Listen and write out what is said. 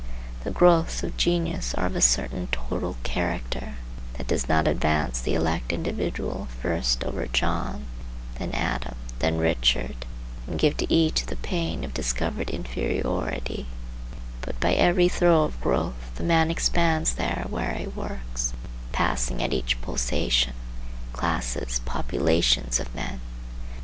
The growths of genius are of a certain total character, that does not advance the elect individual first over John, then Adam, then Richard, and give to each the pain of discovered inferiority,—but by every throe of growth the man expands there where he works, passing, at each pulsation, classes, populations, of men.